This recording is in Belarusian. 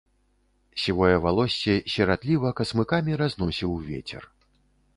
Сівое валоссе сіратліва касмыкамі разносіў вецер.